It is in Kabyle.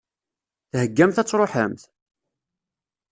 Theggamt ad tṛuḥemt?